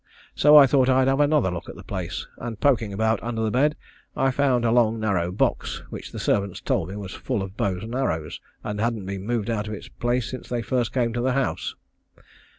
So I thought I'd have another look at the place, and, poking about under the bed, I found a long narrow box, which the servants told me was full of bows and arrows, and hadn't been moved out of its place since they first came to the house.